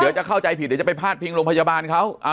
เดี๋ยวจะเข้าใจผิดเดี๋ยวจะไปพาดพิงโรงพยาบาลเขา